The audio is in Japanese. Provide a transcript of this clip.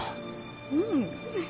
うん。